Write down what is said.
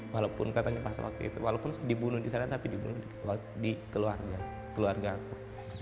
walaupun katanya pas waktu itu walaupun dibunuh di sana tapi dibunuh di keluarga keluarga aku